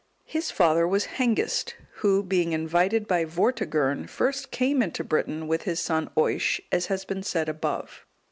(194) His father was Hengist, who, being invited by Vortigern, first came into Britain, with his son Oisc, as has been said above.